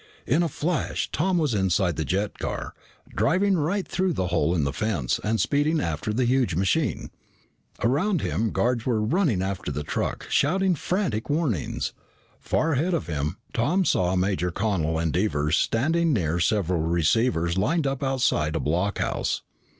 In a flash Tom was inside the jet car, driving right through the hole in the fence and speeding after the huge machine. Around him, guards were running after the truck, shouting frantic warnings. Far ahead of him, Tom saw Major Connel and Devers standing near several receivers lined up outside a blockhouse.